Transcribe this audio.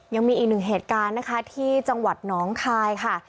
ยังมีอีกหนึ่งเหตุการณ์นะคะที่จังหวัดน้องคายค่ะ